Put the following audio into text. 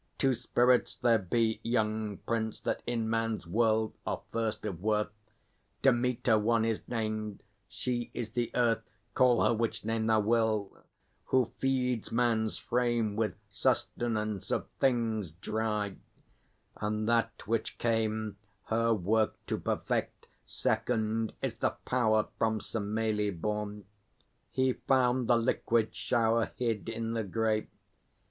Two spirits there be, Young Prince, that in man's world are first of worth. Dêmêtêr one is named; she is the Earth Call her which name thou will! who feeds man's frame With sustenance of things dry. And that which came Her work to perfect, second, is the Power From Semelê born. He found the liquid shower Hid in the grape.